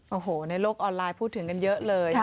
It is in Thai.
โอ้โหในโลกออนไลน์พูดถึงกันเยอะเลย